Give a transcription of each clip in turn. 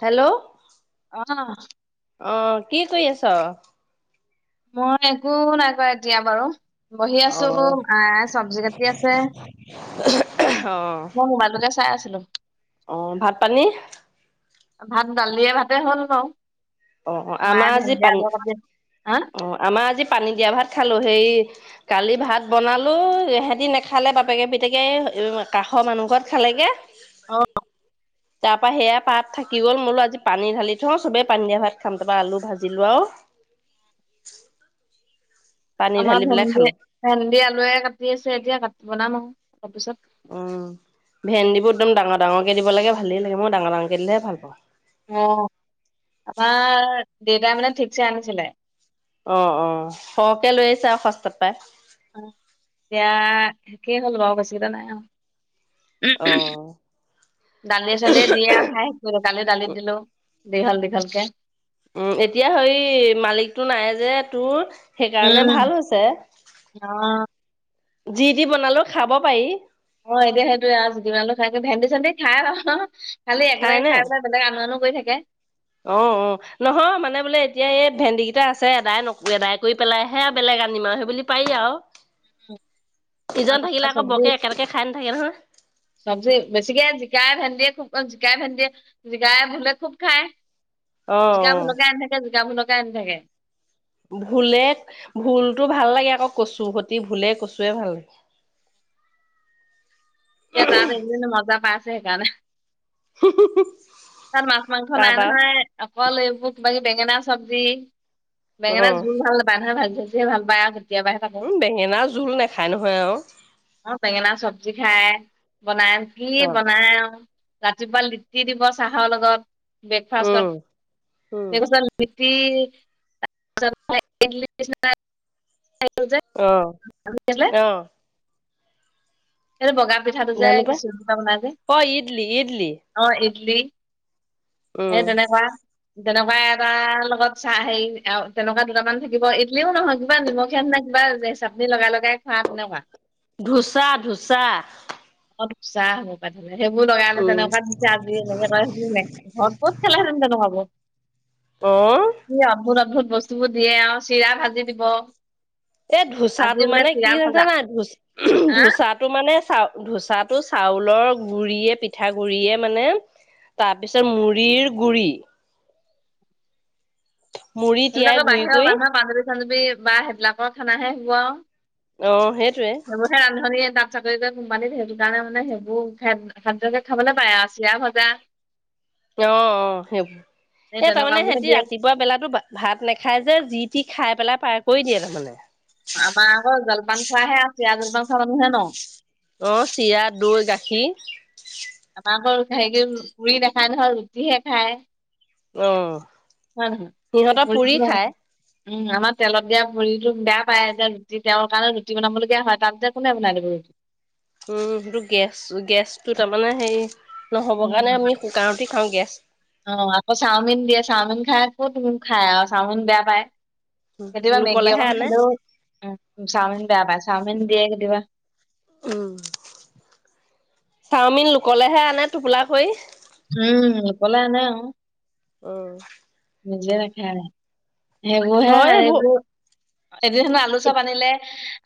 Hello [unintelligible] অ' কি কৰি আছ? মই একো নাই কৰা এতিয়া বাৰু বহি অ আছো মাএ চবজি কাটি আছে। [unintelligible] মই মোবাইলটোলে চাই আছো। হেল্ল, অ ভাত পানী। ভাত ডালিয়ে ভাতে হ'ল ন। অ অ আমাৰ যি পানী হা অ আমাৰ আজি, পানী দিয়া ভাত খালোঁ সেই কালি ভাত বনালোঁ সিহতি নেখালে বাপেকে পিতেকে কাষৰ মানুহ ঘৰত খালেগে। আহ তাৰ পৰা সেয়া পাত থাকি গ'ল বোলো আজি পানী ঢালি থওঁ চবেই পানী দিয়া ভাত খাম তাৰপৰা আলু ভাজিলো আৰু [inaudible] আমাৰ ঢালি পেলাই ভেন্দি খালো ভেন্দি আলুৱে কাটি আছে এতিয়া কাটি বনাম আৰু। তাৰপিছত। উম, ভেন্দিবোৰ একদম ডাঙৰ - ডাঙৰকে দিব লাগে ভালেই লাগে মই ডাঙৰ ডাঙৰকে দিলেহে ভাল পাওঁ। অ আমাৰ দেউতাই মানে ঠিকছে আনিছিলে। অ' অ', সৰহকে লৈ আহিছে আৰু সস্তাত পাই। অ, এতিয়া শেষেই হ'ল বাৰু বেছি নাই অ দালি - চলিয়ে দিয়ে আৰু খাই শেষ কৰিলো, কালি দালিত দিলো। দেখাল- দেখালক। উম, এতিয়া হেৰি মালিকতটো নাই যে তোৰ। সেইকাৰণে উম ভাল হৈছে। অ যি দি বনালো খাব পাৰি। অ' এতিয়া সেইটোয়ে আৰু জিতি বনালেও খাই ভেন্দি চেন্দি খাই আৰু। খালি একেলগে খাই পেলাই বেলেগ আমাৰনো গৈ থাকে। অ' অ' নহয় মানে বোলে এতিয়া এই ভেন্দী কেইটা আছে এদাই ন এদাই কৰি পেলাইহে বেলেগ আনিম আৰু সেই বুলি পাৰি আৰু। ইজন থাকিলে আকৌ চব্জি বৰকে একেলগে খাই নাথাকে নহয়। - চব্জি বেছিকে জিকাই ভেন্দিয়ে খুব অ' জিকাই ভেন্দি জিকাই ভেন্দি খুব খায়। অ', জিকা অ'। ভুলকে আনি থাকে জ [unintelligible] আনি থাকে। ভোলে, ভোলটো ভাল লাগে আকৌ কচু সতি ভোলে, কচুৱে ভাল লাগে। এতিয়া তাত [unintelligible] মজা পাইছে সেইকাৰণে। তাত মাছ, মাংস নাই তাত আৰু নহয়। অকল এইবোৰ কিবাকিবি বেঙেনা চব্জি। বেঙেনা অ', জোল ভাল নাপাই নহয় ভাজি [unintelligible] যিহে ভাল পায় [unintelligible] উম, বেঙেনা জোল নাখায় নহয় আৰু। জি খাই বনাই কি অ', বনাই আৰু ৰাতিপাল নীতি দিৱস চাহৰ লগত ব্ৰেকফাষ্টত উম, উম, অ', [unintelligible] জলে [unintelligible] অ', এইটো পিঠাটো যে জানো পাই। কিচুৰ পিঠা বনাই যে অ', ইডলি ইডলি। অ ইডলি হে তেনেকুৱা তেনেকুৱা এটাৰ লগত চাহ হেৰি তেনেকুৱা দুটামান থাকিব ইডলিও নহয় কিবা নিমখে নে কিবা চাটনি লগাই লগাই খোৱা তেনেকুৱা ধোচা ধোচা [inaudible] অ ধোচা হ'ব সেইবোৰ লগাইলে উম তেনেকুৱা দিছে আজি এনেকে ক সেইব নাই ঘৰত বহত খেলাহব অ অ কি আধোৰ আধোৰ বস্তুবোৰ দিয়ে আও চিৰা ভাজি দিব এ আজি ধোচাটো বোলে মানে কি চিৰা ভজা জানা ধচ হা ধোচাটো মানে চা ধোচাটো চাউলৰ গুৰিয়ে পিঠা গুৰিয়ে মানে তাৰপিছত মুড়িৰ গুৰি মুড়ি তিয়াই সেইবিলাকৰ গুৰি বাহিৰ কৰি বান্ধা বান বান্ধা বা সেইবিলাকৰ খানাহে হব। অ সেইটোৱে বহে ৰান্ধনীয়ে চাকৰিক কোমপানীত সেইটো কাৰণে মানে সেইবোৰ খাদ-খাদ্যকে খাবলৈ পায় চিৰা ভজা অ অ এই সেইবোৰ এ তাৰমানে তেনেকুৱাবোৰহে সিহতি দিয়ে ৰাতিপুৱা বেলাতো ভাত নাখাই যে যি টি খাই পেলাই পাৰ কৰি দিয়ে তাৰমানে। আমাৰ আকৌ জলপান খোৱাহে আছে জলপান খোৱা মানুহে ন। অ চিৰা দৈ গাখীৰ। আমাক হেৰি পুৰি নেখাই নহয় ৰুটিহে খায়। অ হয় নহয় সিহঁতৰ পুৰি পুৰিটো খায়। আমাৰ তেলত দিয়া পুৰিটো বেয়া পায় এতিয়া ৰুটি তেওঁৰ কাৰণে ৰুটি বনাবলগীয়া হয় তাত এতিয়া কোনে বনাই দিব ৰুটি! উম সেইটো গেছ গেছটো তাৰমানে হে নহ'বৰ কাৰণে আমি কুকাৰতে খাওঁ গেছ অ', আকৌ চাওমিন দিয়ে চাওমিন খাই আকৌ কত নো খাই আৰু চাওমিন বেয়া পায়। কেতিয়াবা মেগী লোকলেহে অকন আনে। খালেও উম চাওমিন বাবা চাওমিন দিয়ে কেতিয়াবা। উম চাওমিন লোকলেহে আনে টোপোলা কৰি হম লোকলে আনে আৰু। উম। নিজে ৰাখে আৰু। সেইবোৰ হে এইবোৰ [unintelligible] আলু চপ আনিলে।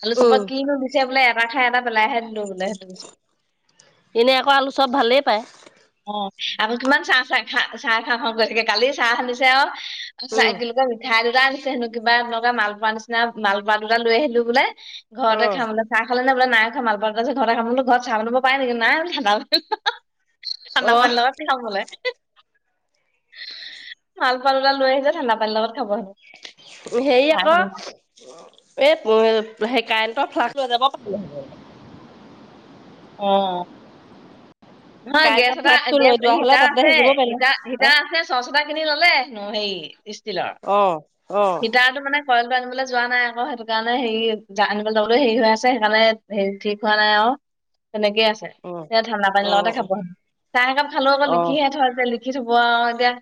আলু চপত কি ভাবিচে বোলে ৰাখে এনে আকৌ আলু চপ ভালেই পায়। অ', আৰু কিমান চাহ চাহ খা চাহ খাহ খাওঁ কয় থাগে কালি চাহ [unintelligible] আৰু [unintelligible] উম, সেহা দুটা আনিছে হেনো কিবা এনেকুৱা মালপোৱাৰ নিচিনা মালপোৱা দুটা লৈ আহিলো বোলে ঘৰতে অ'। খামলে চাহ খালে [unintelligible] থান্দা অ' পানিৰ লগত খাব বোলে [unintelligible] লৈ আহিলে ঠাণ্ডা পানৰ লগত খাব হেনো হেৰি আকৌ চাহ এ সেই কাৰনেটো ফ্লাকচ লৈ যাব পাৰিলে অ'। নহয় গেছ কাৰেণ্টৰ এটা ফ্লাক্সটো লৈ গেছ যোৱা হ'লে হিটাৰ তাতে হেৰি আছে কৰিব পাৰিলে হিটাৰ হেঁতেন। হিটাৰ আছে চচ এটা কিনি ললে ন সেই অ', অ'। [unintelligible] যোৱা নাই আকৌ সেইটো কাৰণে হেৰি আনিবলৈ যাবলৈ হেৰি হৈ আছে সেইকাৰণে ঠিক হোৱা নাই আৰু। তেনেকে আছে অ', সে ঠাণ্ডা পানী অ', লগতে অ'। খাব চাহ একাপ খালো আকৌ অ', লিখিহে থৰ [unintelligible] দেখি থব আৰু এতিয়া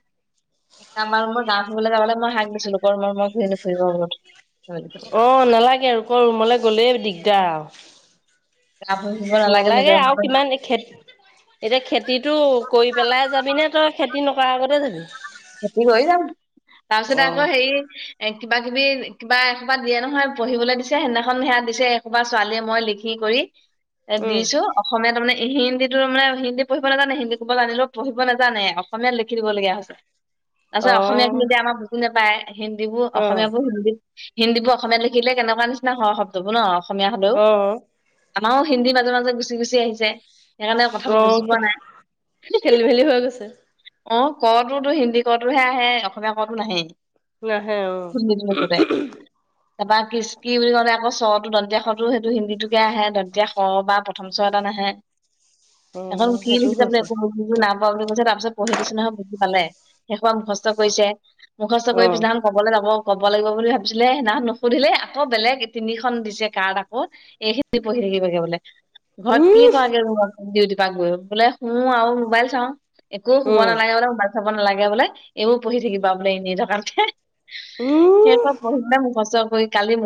আমাৰ মোৰ গাও থুবলৈ যাবলে মই হাক দিছিলো [unintelligible] ফুৰিব বত অ', নালাগে আৰু কৰ ৰুমলৈ গলেই দিগদাৰ আৰু। গা ধুই ফুৰিব নালাগে নিজৰ আৰু ৰুমতে কিমান এই খ এতিয়া খেতিটো কৰি পেলাই যাবি নে তই খেতি খেতি নকাৰৰ আগতে যাবি? খেতি কৰি যওঁ তাৰপিছতে আকৌ অ', সেই, এ কিবা কিবি কিবা একোবা দিয়ে নহয় পঢ়িবলৈ দিছে সেইদিনাখন সেয়া দিছে একোবা ছোৱালীয়ে মই লিখি কৰি এ উম, দিছো অসমীয়া তাৰানে, হিন্দীটোো মানে হিন্দী পঢ়িব নাজানে হিন্দী ক'বলৈ নানিলোও পঢ়িব নাজানে অসমীয়াত লিখি দিবলগীয়া হৈছে। তাৰপছ অ', অসমীয়াখিনি আমাৰু বাই হিন্দী বোৰ অ', অসমীয়াবোৰ হিন্দী হিন্দী বোৰ অসমীয়াাত লিখিলে কেনেকুৱা নিচিনা হয় শব্দবোৰ ন অসমীয়া হ'লেও অ', আমাৰো হিন্দী মাজে মাজে গুচি গুচি আহিছে। সেইকাৰণে অ কথাবোৰ বুজি পোৱা নাই খেলি মেলি হৈ গৈছে। অ কোতো হিন্দী কটোহে আহে অসমীয়া কো নাহেই নহে অ! তাৰপৰা কিস্তি বুলি কওঁলে আকৌ শটো দতীয়া শটো সেইটো হিন্দীটোকে আহে দতীয়া শ বা প্ৰথম এটা নাহে। এখন অ', কি সেইটো লিখিছো হৈছে একো নাপা বুলি কৈছে তাৰপিছত পঢ়ি দিছি নহয় বহি পালে শেষ মুখস্থ কৰিছে। মুখস্থ কৰি অ', পিছনাখন কবলৈ যাব। ক'ব লাগিব বুলি ভাবিছিলে সেইদিনা নুসুধিলে আকৌ বেলেগ তিনিখনন দিছে কাৰ্ড আকৌ এইখিনি পঢ়ি থাকিবাগে বোলে। ঘৰত কি উম, কে দিউ গৈ বোলে শো আৰু মোবাইল চাওঁ এক শুব উম, নাগ বোলে। থব নালাগে বোলে এইবোৰ পঢ়ি থাকিবা বোলে এনেই থককে সেই ক পঢ় না মোৰ ঘচ গ কালি ম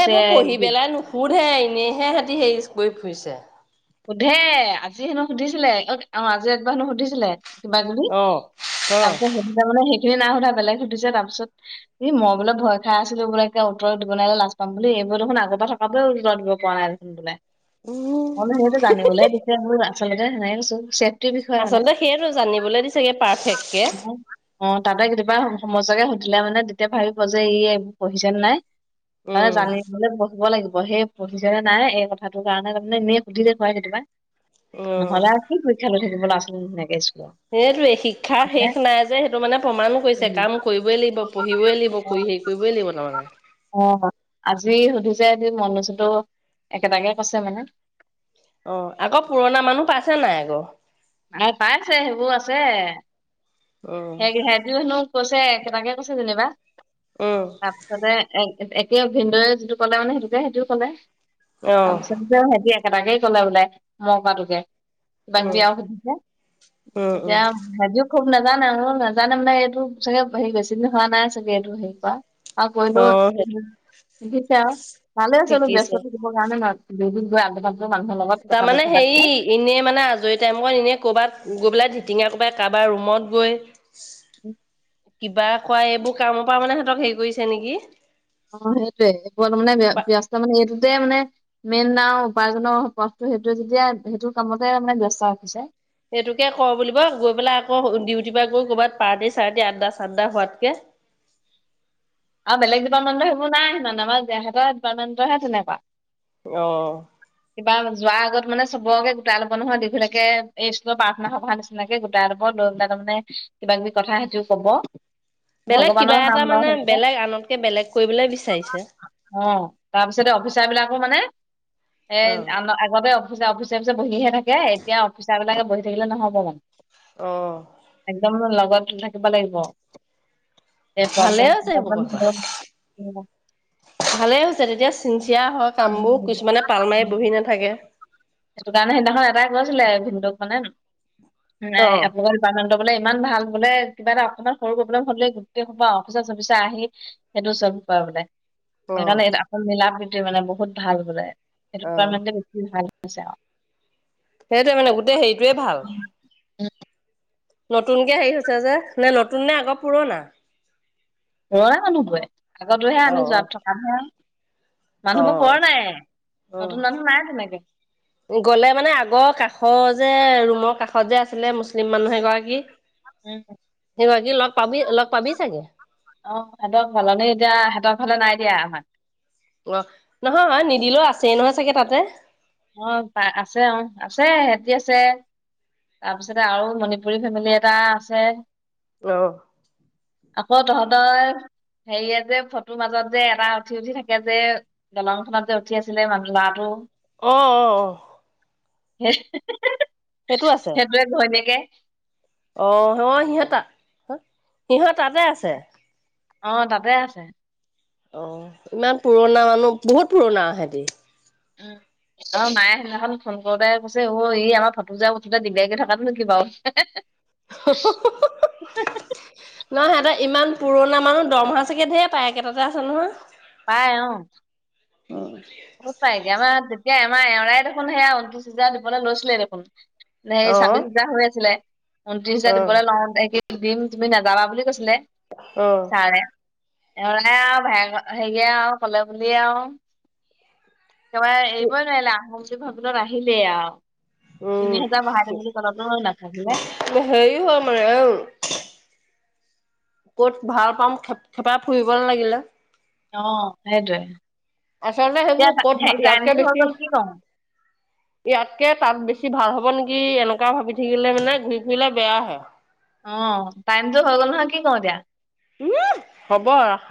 এবোৰ পঢ়ি পেলাই নুশোধহে এনেইহে সিহঁতি হেৰি কৰি ফুৰিছে। সুধে আজি হেনো সুধিছিলে অ অ আজি একবাৰ হেনো সুধিছিলে। কিবা কিবি অ', অ', তাৰপিছত সেইটো তাৰ মানে সখিনি ন সধা বেলেগ সুধিছে তাৰ পিছত মই বোলে ভ খাই আছিলো বোলে ক উতৰত দিব নোৱাৰিল লাজ পাম বুলি এইবোৰ দেখোন আগৰ পৰা থকাটোও উত্তৰত দিব পৰা নাই দেখোন বোলে। উম! মান সেইটো জানিবলৈ দি মোৰ আচলতে নাই বছো আচলতে সেইয়টো জানিবলৈ দিছেগে [unintelligible] অ তাতে কেতিয়াবা সমস্যাকে সুধিলে মানে তেতিয়া ভাবিব যে ই এইবোৰ পঢ়িছে নাই। মে উম, জানিবলে পঢ়িব লাগিব। অ', সেই পঢ়িছেনে নাই এই কথাটোৰ কাৰণে তাৰমানে নেপ [unintelligible] খোৱাইনে তোমাৰ উম, নহ'লে আছোঁ [unintelligible] [unintelligible] আছিল নেকেচ সেইটোৱে শিক্ষা শেষ নাই যে সেইটো মানে প্ৰমাণ কৰিছে কাম কৰিবই লাগিব, পঢ়িবই লাগিব, কৰি অ', হেৰি কৰিবই লাগিব তাৰমানে। অ আজি সুধিছে মনোজতো একেটাকে কৈছে মানে। অ', আকৌ পুৰণা মানুহ পাইছে নাই আকৌ? নাই পাইছে, সেইবোৰ আছে। উম সেহ-সেহতি হেনো কৈছে তেনেকে কৈছে যেনিবা উম [unintelligible] একে ভিনদেউ যিটো ক'লে মানে সেইটোকে, সেইটোও ক'লে। আহ [unintelligible] একেটাকেই ক'লে বোলে, মই কোৱা টোকে। উম উম উম [unintelligible] [unintelligible] নাজানে আৰু নাজানে মানে এইটো চাগে হেৰি বেছিদিন হোৱা নাই চাগে, এইটো হেৰি কৰা। আৰু অ কৰিলেও, সেইটো শিকিছে আৰু ভালেই হৈছে বুলো ব্যস্ত শিকিছে থাকিবৰ কাৰণে [unintelligible] [unintelligible] লগত কথা পাতি তাৰমানে থকাতকে হেৰি এনেই মানে আজৰি টাইমত এনে কৰ'বাত গৈ পেলাই [unintelligible] [unintelligible] কোবাই কাৰোবাৰ ৰুমত গৈ। কিবা এইবোৰ কামৰ পৰা মানে সিহঁতক হেৰি কৰিছে নেকি? অ', সেইটোয়ে, এইবোৰত মানে ব্য-ব্যস্ত মানে এই [unintelligible] মানে মেইন আৰু উপাৰ্জনৰ পথটো সেইটোৱে যেতিয়া সেইটো কামতে মানে ব্যস্ত ৰাখিছে। সেইটোকে ক' বুলিব, গৈ পেলাই আকৌ ডিউটিৰ পৰা গৈ কৰ'বাত পাৰ্টি, চাৰ্টি আড্ডা, চাড্ডা হোৱাতকে আৰু বেলেগ ডিপাৰ্টমেণ্টৰ সেইবোৰ নাই, সিমান আমাৰ এহেতঁৰ ডিপাৰ্টমেণ্টহে তেনেকুৱা। আহ কিবা যোৱাৰ আগত মানে চবকে গোটাই ল'ব নহয় দঘিলাকে এই স্কুলৰ প্ৰাৰ্থনা সভা নিচিনাকে গোটাই ল'ব লৈ ত তাৰ মানে কিবা কিবি কথা সেইটোও কব বেলেগ কিবা ভগৱানৰ নাম এটা লয় মানে সেইকেইটা বেলেগ আনতকে বেলেগ কৰিবলৈ বিচাৰিছে। অ' তাৰপিছতে অফিচাৰ বিলাকো মানে এ আম অ আগতে অিচ অফিচ অফিচ বহিহে থাকে এতিয়া অফিচাৰলাকে বহি থাকিলে নহ'ব মানে একদম ল লগ থাকিব লাগিব। এই ভালে প্ৰব্লেম, হৈছে সেইবোৰ কথা [unintelligible] ন হ উ ভালে হৈছে তেতিয়া চিনচিয়াৰ হয় কামবোৰ কিছুমানে পাল মাৰি বহি নাথাকে। সেইটো কাৰণে সেইদিনাখন এটাই গৈছিলে ভিনন্দুক মানে। মানে অ আপো খন বোলে ইমান ভাল বোলে কিবা এটা অকণমান সৰু প্ৰব্লেম হলে গোটেই সবা অফিচাৰ চফিচাৰ আহি সেইটো চল্ভ কৰা বোলে। অ সেইকাৰণে আ মিলা প্ৰীতি টো মানে বহুত ভাল বোলে। সেইটো অ কাৰনে বেছি ভাল। হৈছে আও। সেইটোৱে মানে গোটেই হেৰিটোৱে ভাল। আৰু নতুনকে হেৰি হৈছে যে নে নতুন নে আকৌ পুৰণা। লৰা মানুহবোৰে। আগতোহে অ আমি যোৱাত থকামহে। অ নতুন মানুহ নাই তেনেকে অ গলে মানে আগৰ কাষ অ যে ৰুমৰ কাষত যে আছিলে মুছলিম মানুহ এগৰাকী উম। সেই গৰাকীক লগ পাবি লগ পাবি চাগে। অ সিহঁতৰ হলনি এতিয়া সিহঁতৰ হলে নাই দিয়া আমাক। অ নহয় নিদিলেও আছে নহয় চাগে তাতে। অ প আছে অ আছে সিহতি আছে। তাৰপিছতে আৰু মণিপুৰী ফেমিলি এটা আছে। আহ। আকৌ তহঁতৰ হেৰিয়ে যে ফটোৰ মাজত যে এটা উঠি উঠি থাকে যে দলংখনত যে উঠি আছিলে লৰাটো। আহ অ অ। হেই সেইটোয়ে ঘৈণীয়েকে [unintelligible] আহি সিহঁতা সিহঁত তাতে আছে। অ তাতে আছে। অ ইমান পুৰণা মানুহ বহুত পুৰণা সেতি। উ অ মায়ে সেইদিনাখন ফোন কৰোতে কৈছে অ ই আমাৰ ভটোজা উথুা দগদাৰাকে থকাতো নেকি বাৰু। [unintelligible] নহ সিহঁত ই পুৰণা মানুহ দৰমহা চাগে ধেৰ পায় একেটাতে আছে নহয়। পাই অ বহুত পাই গে যেতিয়া আমাৰ তাই দেখোন সেয়া ঊনত্ৰিছ হাজজাৰ দিবলৈ লৈছিলে দেখোন। নে অ সেই ছাব্বিশ হোজাৰ হৈ আছিলে। অ ঊত্ৰিছাজাৰি পৰা লং [unintelligible] দিম তুমি নাযাবা বুলি কৈছিলে অহ ছাৰে এৰাই আৰু ভ হেৰিয়ে আৰু কলে বুলিয়ে আৰু একেবাৰে এৰিবই নোৱাৰিলা সিহঁত দুজন আহিলেই আৰু তিনি উম হাজাৰ বঢ়াই দিম বুলি ক'লেতো নাথাকিলে হেৰি হয় আমাৰ অ ক'ত ভাল পাম খেপ খেপাই ফুৰিব লাগিলে অ সেইটোৱে আচলতে এতিয়া সেইবোৰ ক'ত হেৰি ভাল ইয়াতকে টাইমটো হৈ বেছি গ'ল কি কওঁ ইয়াতকে তাত বেছি ভাল হব নেকি এনেকুৱা ভাবি থাকিলে মানে ঘূৰি ফুৰিলে বেয়া হে অ টাইমটো হৈ গ'ল নহয় কি কওঁ এতিয়া উমহ হ'ব ৰাখ